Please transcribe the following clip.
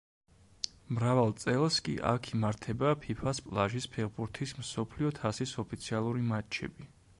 მრავალ წელს კი აქ იმართება ფიფას პლაჟის ფეხბურთის მსოფლიო თასის ოფიციალური მატჩები.